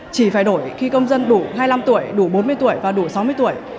chỉ phải đổi khi công dân đủ hai mươi năm tuổi đủ bốn mươi tuổi và đủ sáu mươi tuổi